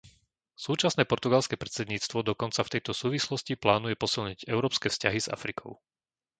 Súčasné portugalské predsedníctvo dokonca v tejto súvislosti plánuje posilniť európske vzťahy s Afrikou.